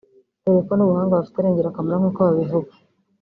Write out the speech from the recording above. dore ko n’ubuhanga bafite ari ingirakamaro nk’uko babivuga